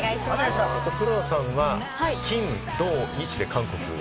黒田さんは、金土日で韓国？